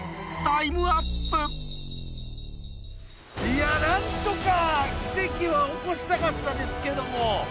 いやなんとか奇跡を起こしたかったですけども。